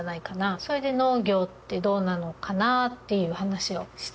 それで農業ってどうなのかな？っていう話をして。